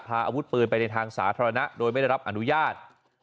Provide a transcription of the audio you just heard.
พาอาวุธปืนไปในทางสาธารณะโดยไม่ได้รับอนุญาต